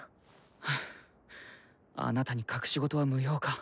ハァあなたに隠し事は無用か。